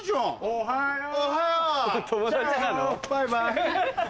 おはよう。